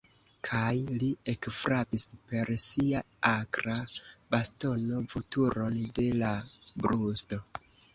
Kaj li ekfrapis per sia akra bastono Vulturon je la brusto.